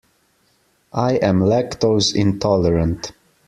I am lactose intolerant.